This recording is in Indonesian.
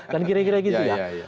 dan gira gira gitu ya